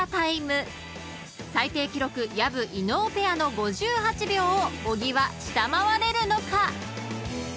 ［最低記録薮・伊野尾ペアの５８秒を小木は下回れるのか］